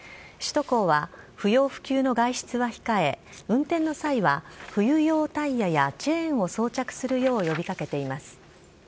首都高は不要不急の外出は控え、運転の際は冬用タイヤやチェーンを装着するよう呼びかけています。